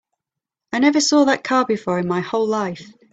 I never saw that car before in my whole life.